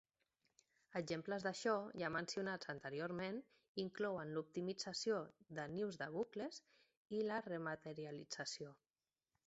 Exemples d'això, ja mencionats anteriorment, inclouen l'optimització de nius de bucles i la rematerialització.